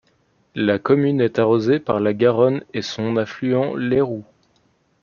La commune est arrosée par la Garonne et son affluent l'Ayroux.